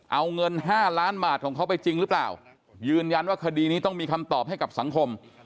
เอาเงิน๕ล้านบาทของเขาไปจริงหรือเปล่ายืนยันว่าคดีนี้ต้องมีคำตอบให้กับสังคม